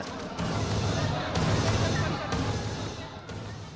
kepada ktp elektronik